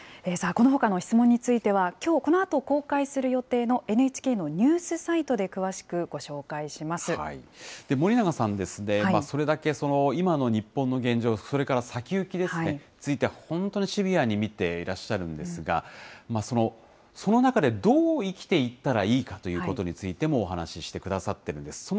このほかの質問については、きょうこのあと公開する予定のＮＨＫのニュースサイト森永さん、それだけ今の日本の現状、それから先行きについては、本当にシビアに見ていらっしゃるんですが、その中でどう生きていったらいいかということについても、お話してくださってるんです。